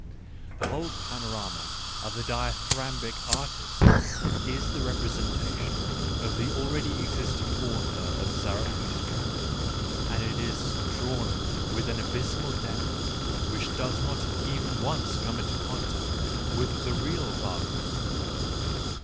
The whole pano rama of the dithyrambic artist is the representation of the already existing author of Zarathustra, and it is drawn with an abysmal depth which does not even once come into contact with the real Wagner.